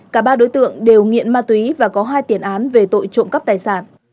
cả ba đối tượng đều nghiện ma túy và có hai tiền án về tội trộm cắp tài sản